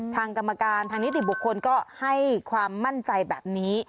ทางกรรมการทางนิติบุคคลก็ให้ความมั่นใจแบบนี้